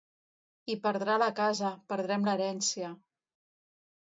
I perdrà la casa, perdrem l'herència...